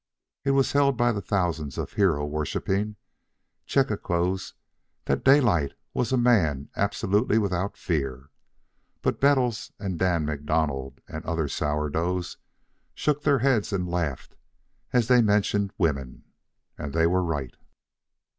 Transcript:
It was held by the thousands of hero worshipping chechaquos that Daylight was a man absolutely without fear. But Bettles and Dan MacDonald and other sourdoughs shook their heads and laughed as they mentioned women. And they were right.